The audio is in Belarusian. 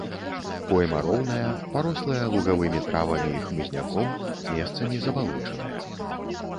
Пойма роўная, парослая лугавымі травамі і хмызняком, месцамі забалочаная.